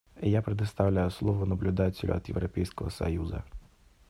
Я предоставлю слово наблюдателю от Европейского союза.